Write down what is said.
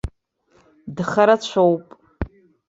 Дхарацәоуп.